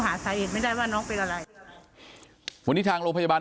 หาสาเหตุไม่ได้ว่าน้องเป็นอะไรวันนี้ทางโรงพยาบาล